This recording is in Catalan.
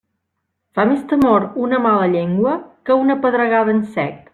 Fa més temor una mala llengua que una pedregada en sec.